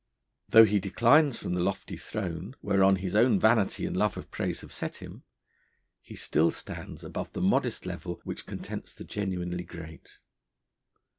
Though he declines from the lofty throne, whereon his own vanity and love of praise have set him, he still stands above the modest level which contents the genuinely great.